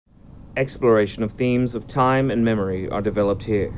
Exploration of themes of time and memory are developed here.